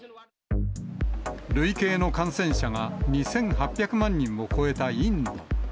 累計の感染者が２８００万人を超えたインド。